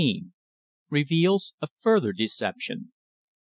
REVEALS A FURTHER DECEPTION.